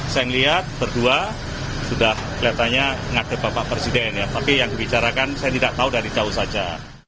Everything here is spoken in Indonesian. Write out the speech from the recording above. saya melihat berdua sudah kelihatannya ngada bapak presiden ya tapi yang dibicarakan saya tidak tahu dari jauh saja